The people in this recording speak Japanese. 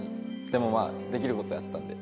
でもまあできる事をやったんで。